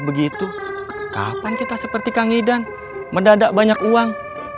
begitu kapan kita seperti kang idan mendadak banyak uang